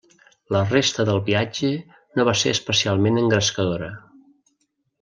La resta del viatge no va ser especialment engrescadora.